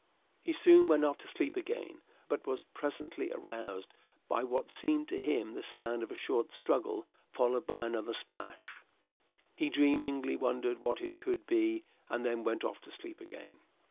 He soon went off to sleep again, but was presently aroused by what seemed to him the sound of a short struggle followed by another splash; he dreamingly wondered what it could be and then went off to sleep again.